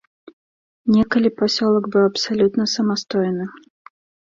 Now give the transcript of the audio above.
Некалі пасёлак быў абсалютна самастойны.